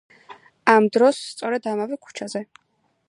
ამ დროს, სწორედ ამავე ქუჩაზე.